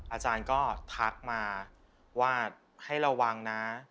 อาจารย์ก็ทักมาว่าให้ระวังนะ